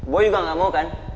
gue juga gak mau kan